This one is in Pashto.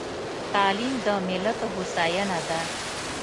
تعليم د ملت هوساينه ده.